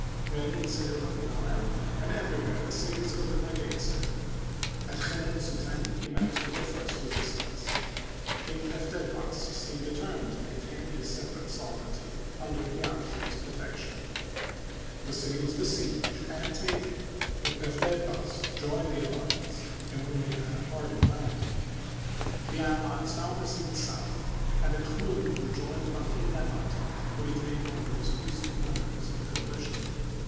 Then he sailed up the Nile, and everywhere the cities opened their gates to him. At Chenensuten he met with the first resistance. King Pef dedbast seemed determined to maintain his separate sov ereignty under Pianchi's protection. The city was besieged and taken, but Pefdedbast joined the alliance in only a half hearted manner. The allies now proceeded south, and at Chmunu were joined by King Nemart, who became one of the most useful members of the coalition.